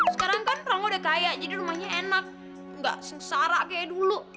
sekarang kan pramu udah kaya jadi rumahnya enak gak sengsara kayak dulu